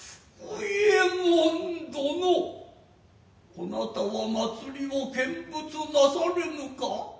こなたは祭を見物なされぬか。